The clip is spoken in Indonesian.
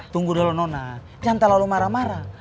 tunggu dulu nona jangan terlalu marah marah